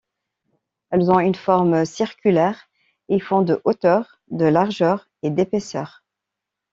Elles ont une forme circulaire, et font de hauteur, de largeur et d’épaisseur.